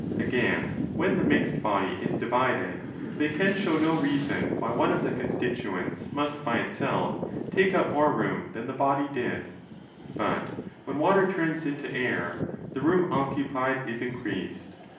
Again, when the mixed body is divided, they can show no reason why one of the constituents must by itself take up more room than the body did: but when water turns into air, the room occu pied is increased.